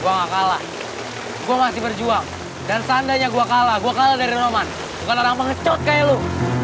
gue ga kalah gue masih berjuang dan sandanya gue kalah gue kalah dari roman bukan orang pengecot kayak lo